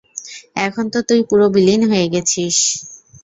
এখন তো তুই পুরো বিলীন হয়ে গেছিস।